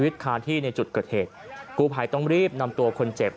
คาที่ในจุดเกิดเหตุกูภัยต้องรีบนำตัวคนเจ็บ